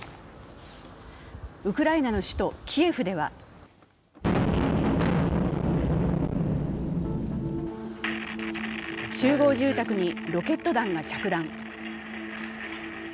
ウクライナの首都キエフでは集合住宅にロケット弾が着弾。